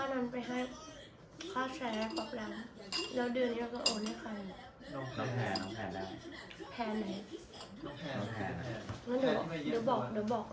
เรามีเงินใดที่ต้องเฉ่งกับชายกับป๊อปต้องก็